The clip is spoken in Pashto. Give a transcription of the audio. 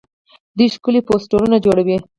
دوی ښکلي پوسټرونه جوړوي.